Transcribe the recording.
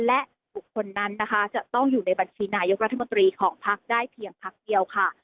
และบุคคลนั้นนะคะจะต้องอยู่ในบัญชีนายกรัฐมนตรีของพักได้เพียงพักเดียวค่ะ